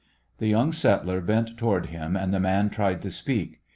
The yoimg settler bent toward him and the man tried to speak.